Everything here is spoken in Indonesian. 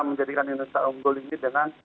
menjadikan indonesia unggul ini dengan